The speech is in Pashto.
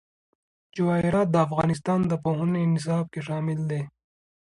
جواهرات د افغانستان د پوهنې نصاب کې شامل دي.